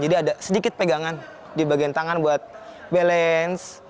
jadi ada sedikit pegangan di bagian tangan buat balance